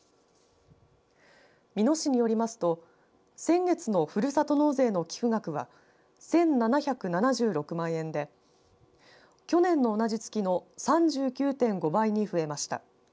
美濃市によりますと先月のふるさと納税の寄付額は１７７６万円で去年の同じ月の３９．５倍に増えました。